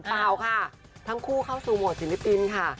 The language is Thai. เปล่าค่ะทั้งคู่เข้าสู่โหมดศิลปินค่ะ